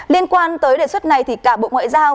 liên quan tới đề xuất này thì cả bộ ngoại giao